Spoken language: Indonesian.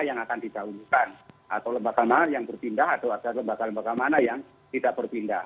ada lembaga lembaga yang akan dihidupkan atau lembaga lembaga yang berpindah atau ada lembaga lembaga mana yang tidak berpindah